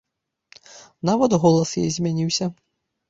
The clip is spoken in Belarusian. Нават голас яе змяніўся.